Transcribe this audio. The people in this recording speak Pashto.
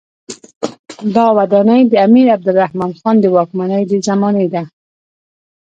دا ودانۍ د امیر عبدالرحمن خان د واکمنۍ د زمانې ده.